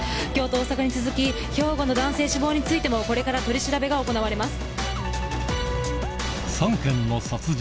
大阪に続き兵庫の男性死亡についてもこれから取り調べが行われます。